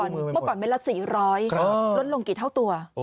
เมื่อก่อนเม็ดละ๔๐๐ลดลงกี่เท่าตัว